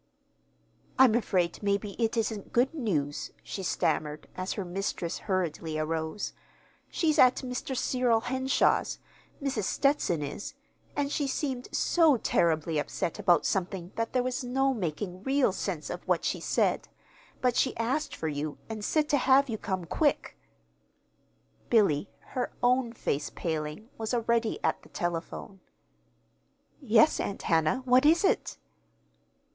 "I'm afraid, maybe, it isn't good news," she stammered, as her mistress hurriedly arose. "She's at Mr. Cyril Henshaw's Mrs. Stetson is and she seemed so terribly upset about something that there was no making real sense out of what she said. But she asked for you, and said to have you come quick." Billy, her own face paling, was already at the telephone. "Yes, Aunt Hannah. What is it?"